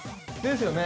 ですよね？